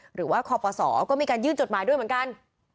หรือว่าคปศก็มีการยื่นจดหมายด้วยเหมือนกัน